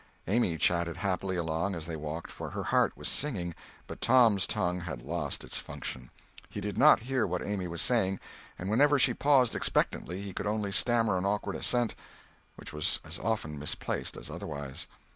Amy chatted happily along, as they walked, for her heart was singing, but Tom's tongue had lost its function. He did not hear what Amy was saying, and whenever she paused expectantly he could only stammer an awkward assent, which was as often misplaced as otherwise.